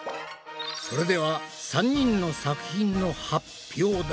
それでは３人の作品の発表だ。